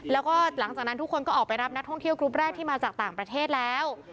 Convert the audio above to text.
แล้วก็หลังจากนั้นทุกคนก็ออกไปรับนักท่องเที่ยวกรุ๊ปแรกที่มาจากต่างประเทศแล้ว